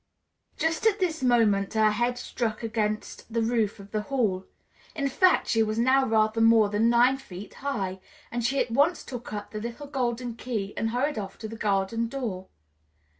Just at this moment her head struck against the roof of the hall; in fact, she was now rather more than nine feet high, and she at once took up the little golden key and hurried off to the garden door.